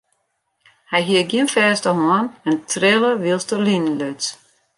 Hy hie gjin fêste hân en trille wylst er linen luts.